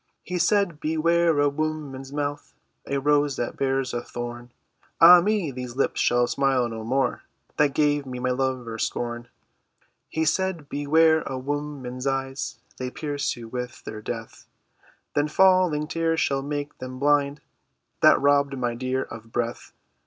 "He said, 'Beware a woman's mouth— A rose that bears a thorn.'" "Ah, me! these lips shall smile no more That gave my lover scorn." "He said, 'Beware a woman's eyes. They pierce you with their death.'" "Then falling tears shall make them blind That robbed my dear of breath."